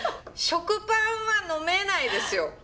食パンは呑めないですよ。